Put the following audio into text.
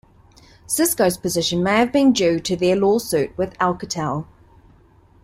Cisco's position may have been due to their lawsuit with Alcatel.